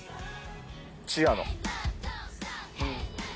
チアの。